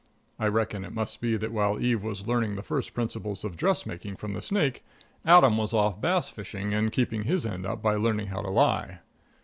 I reckon it must be that while Eve was learning the first principles of dressmaking from the snake, Adam was off bass fishing and keeping his end up by learning how to lie.